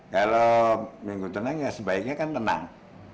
kalau minggu tenang ya sebaiknya kan tenang